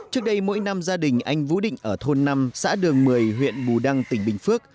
trước đây mỗi năm gia đình anh vũ định ở thôn năm xã đường một mươi huyện bù đăng tỉnh bình phước